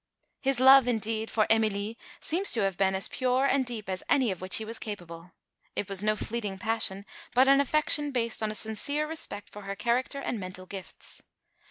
His love, indeed, for Emilie seems to have been as pure and deep as any of which he was capable. It was no fleeting passion, but an affection based on a sincere respect for her character and mental gifts.